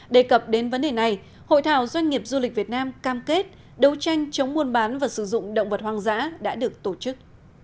đề cập đến vấn đề này hội thảo doanh nghiệp du lịch việt nam cam kết đấu tranh chống buôn bán và sử dụng động vật hoang dã đã được tổ chức